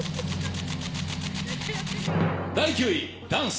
第９位、ダンス。